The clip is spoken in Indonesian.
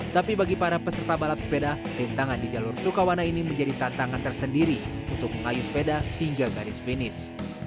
tapi bagi para peserta balap sepeda rintangan di jalur sukawana ini menjadi tantangan tersendiri untuk mengayu sepeda hingga garis finish